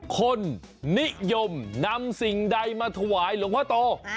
คนนิยมนำสิ่งใดมาถวายหลวงพ่อโต